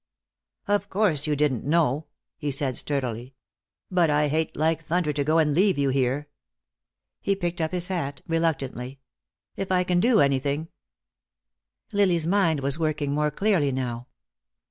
"Of course you didn't know," he said, sturdily. "But I hate like thunder to go and leave you here." He picked up his hat, reluctantly. "If I can do anything " Lily's mind was working more clearly now.